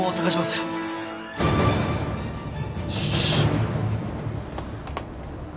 よし。